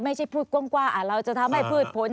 ไม่ใช่พูดกว้างเราจะทำให้พืชผล